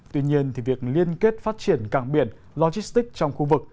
tuy nhiên thì việc liên kết phát triển cảng biển logistics trong khu vực